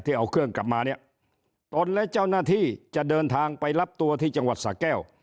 เอาเครื่องกลับมาเนี่ยตนและเจ้าหน้าที่จะเดินทางไปรับตัวที่จังหวัดสะแก้ว